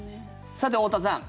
さて、太田さん